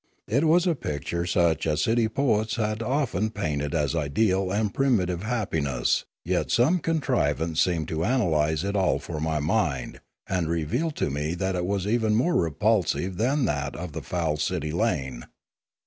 It was a picture such as city poets had often painted as ideal and primitive happiness, yet some contrivance seemed to analyse it all for my mind and reveal to me that it was even more repulsive than that of the foul city lane.